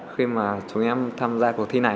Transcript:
khi mà chúng em tham gia cuộc thi này